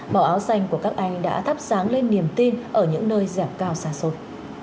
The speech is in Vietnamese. bảo áo xanh của các anh đã thắp sáng lên niềm tin ở những nơi giảm cao xa xôi